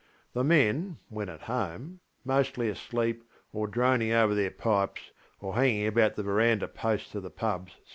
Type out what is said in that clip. The men, when at home, mostly asleep or droning over their pipes or hanging about the verandah posts of the pubs.